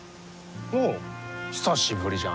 おう久しぶりじゃのう。